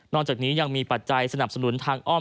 จากนี้ยังมีปัจจัยสนับสนุนทางอ้อม